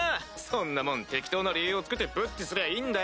そんなもん適当な理由をつけてブッチすりゃいいんだよ。